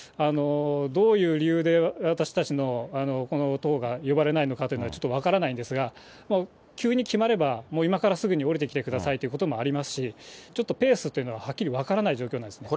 どういう理由で、私たちのこの棟が呼ばれないのかというのはちょっと分からないんですが、急に決まれば、もう今からすぐに下りてきてくださいということもありますし、ちょっとペースというのがはっきり分からない状況なんですね。